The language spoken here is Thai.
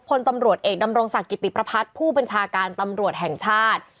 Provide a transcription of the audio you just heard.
พลตำรวจเอกดำรงศักดิ์กิติประพัฒน์ผู้บัญชาการตำรวจแห่งชาติ